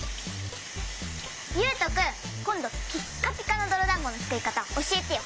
ゆうとくんこんどピッカピカのどろだんごのつくりかたおしえてよ。